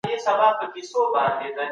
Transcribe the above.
رپوټ لیکنه: د موضوع جزییات ولیکئ.